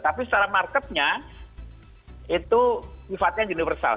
tapi secara marketnya itu sifatnya universal